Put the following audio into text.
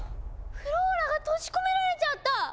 フローラが閉じ込められちゃった！